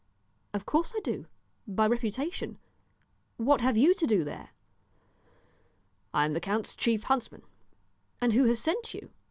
"Of course I do by reputation; what have you to do there?" "I am the count's chief huntsman." "And who has sent you?"